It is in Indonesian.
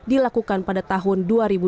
dilakukan pada tahun dua ribu dua puluh